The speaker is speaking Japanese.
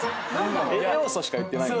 栄養素しか言ってない。